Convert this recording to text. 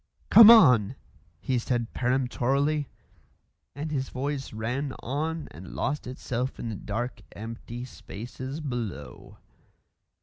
"Come on!" he said peremptorily, and his voice ran on and lost itself in the dark, empty spaces below.